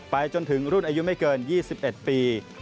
จนถึงรุ่นอายุไม่เกิน๒๑ปี